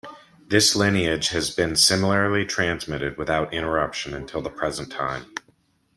This lineage has been similarly transmitted without interruption until the present time.